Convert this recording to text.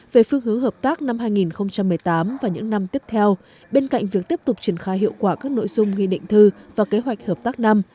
về phương hướng hợp tác năm hai nghìn một mươi tám và những năm tiếp theo bên cạnh việc tiếp tục triển khai hiệu quả các nội dung nghị định thư và kế hoạch hợp tác năm